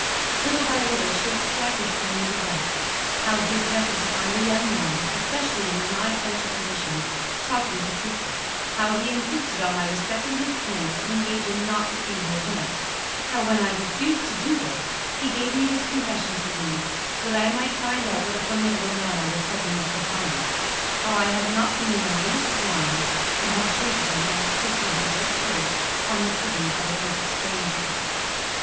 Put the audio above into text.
Little by little, she extracted from me the rest: how he objected to find a young man, especially in my social position, talking to Cristel; how he insisted on my respecting his claims, and engaging not to see her again; how, when I refused to do this, he gave me his confession to read, so that I might find out what a formidable man I was setting at defiance; how I had not been in the least alarmed, and had treated him (as Cristel had just heard) on the footing of a perfect stranger.